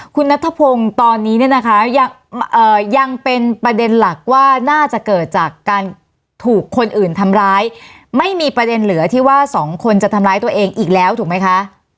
คุณนัทธพงศ์ตอนนี้เนี่ยนะคะยังเป็นประเด็นหลักว่าน่าจะเกิดจากการถูกคนอื่นทำร้ายไม่มีประเด็นเหลือที่ว่าสองคนจะทำร้ายตัวเองอีกแล้วถูกไหมคะ